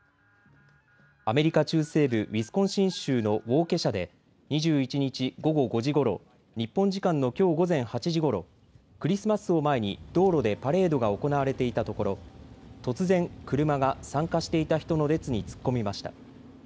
アメリカ中西部ウィスコンシン州のウォーケシャで２１日午後５時ごろ、日本時間のきょう午前８時ごろ、クリスマスを前に道路でパレードが行われていたところ突然、車が参加していた人の列に突っ込みました。